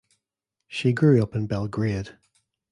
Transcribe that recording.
She grew up in Belgrade.